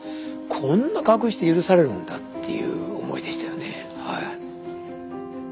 こんな隠して許されるんだっていう思いでしたよね。